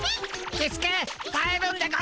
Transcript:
キスケたえるんでゴンス。